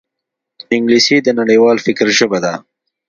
انګلیسي د نړیوال فکر ژبه ده